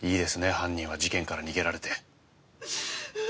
犯人は事件から逃げられて。